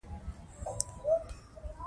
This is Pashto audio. کور یوه څپه ایزه ګړه ده.